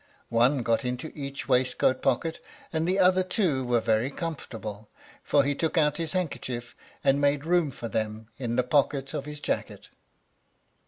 One got into each waistcoat pocket, and the other two were very comfortable, for he took out his handkerchief and made room for them in the pocket of his jacket.